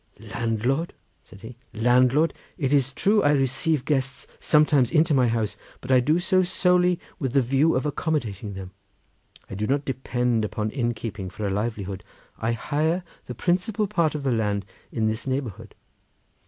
"Landlord!" said he, "landlord! It is true I receive guests sometimes into my house, but I do so solely with the view of accommodating them; I do not depend upon innkeeping for a livelihood. I hire the principal part of the land in this neighbourhood."